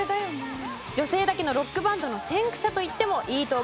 女性だけのロックバンドの先駆者と言ってもいいと思う。